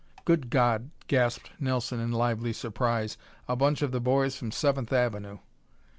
"Good God!" gasped Nelson in lively surprise. "A bunch of the boys from Seventh Avenue!"